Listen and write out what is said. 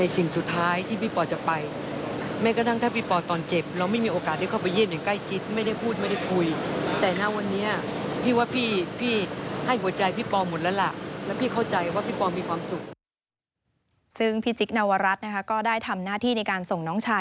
ซึ่งพี่จิ๊กนวรัฐนะคะก็ได้ทำหน้าที่ในการส่งน้องชาย